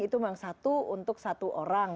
itu memang satu untuk satu orang